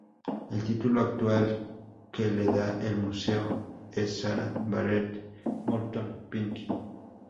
El título actual que le da el museo es Sarah Barrett Moulton: Pinkie.